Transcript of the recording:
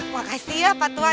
makasih ya pak tua